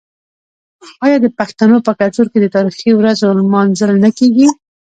آیا د پښتنو په کلتور کې د تاریخي ورځو لمانځل نه کیږي؟